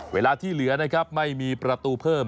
เวลาที่เหลือนะครับไม่มีประตูเพิ่ม